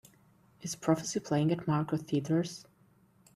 Is Prophecy playing at Malco Theatres